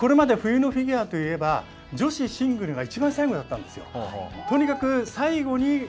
これまで冬のフィギュアといえば、女子シングルが一番最後だったんですよ。